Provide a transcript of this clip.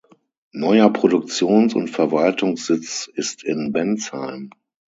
Neuer Produktions- und Verwaltungssitz ist in Bensheim.